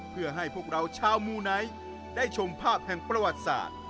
เพื่อให้พวกเราชาวมูไนท์ได้ชมภาพแห่งประวัติศาสตร์